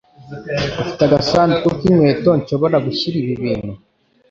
Ufite agasanduku k'inkweto nshobora gushyira ibi bintu?